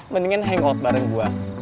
mendingan hangout bareng gue